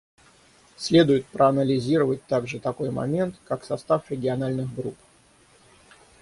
Следует проанализировать также такой момент, как состав региональных групп.